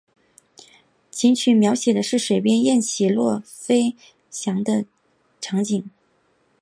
琴曲描写的是水边雁起落飞翔的场景。